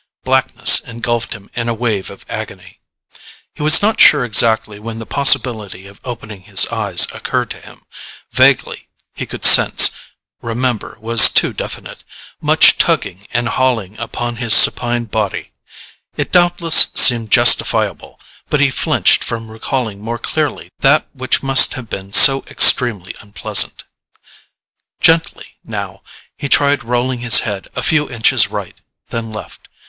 Blackness engulfed him in a wave of agony. He was not sure exactly when the possibility of opening his eyes occurred to him. Vaguely, he could sense "remember" was too definite much tugging and hauling upon his supine body. It doubtless seemed justifiable, but he flinched from recalling more clearly that which must have been so extremely unpleasant. Gently, now, he tried rolling his head a few inches right, then left.